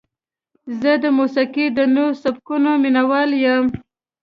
زه د موسیقۍ د نوو سبکونو مینهوال یم.